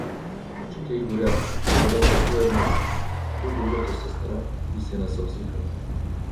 Очите й горяха, гледаха ту едната, ту другата сестра и се насълзиха.